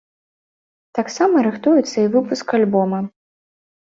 Таксама рыхтуецца і выпуск альбома.